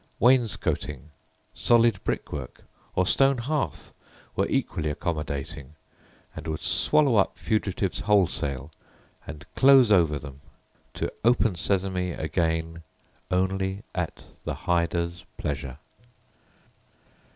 Wainscoting, solid brickwork, or stone hearth were equally accommodating, and would swallow up fugitives wholesale, and close over them, to "Open, Sesame!" again only at the hider's pleasure.